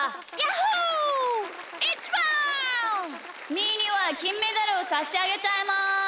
みーにはきんメダルをさしあげちゃいます！